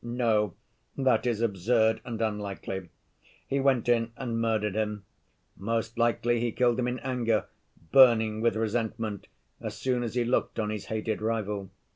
No, that is absurd and unlikely! He went in and murdered him. Most likely he killed him in anger, burning with resentment, as soon as he looked on his hated rival.